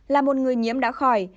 là một người nhiễm đã khỏi